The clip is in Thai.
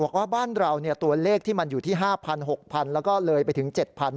ว่าบ้านเราตัวเลขที่มันอยู่ที่๕๐๐๖๐๐แล้วก็เลยไปถึง๗๐๐